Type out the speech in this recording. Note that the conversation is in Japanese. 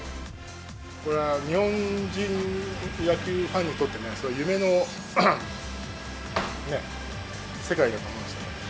これは日本人野球ファンにとってね、夢の世界だと思うんですよね。